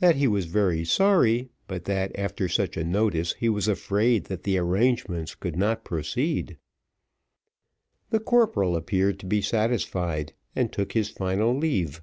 That he was very sorry, but that after such a notice he was afraid that the arrangements could not proceed. The corporal appeared to be satisfied, and took his final leave.